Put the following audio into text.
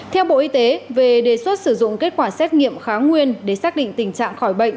theo bộ y tế về đề xuất sử dụng kết quả xét nghiệm kháng nguyên để xác định tình trạng khỏi bệnh